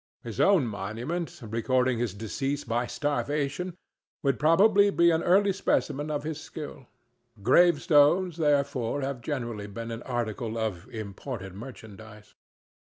His own monument, recording his decease by starvation, would probably be an early specimen of his skill. Gravestones, therefore, have generally been an article of imported merchandise.